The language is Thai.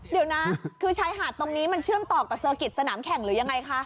เดี๋ยวนะคือชายหาดตรงนี้มันเชื่อมต่อกับเซอร์กิจสนามแข่งหรือยังไงคะ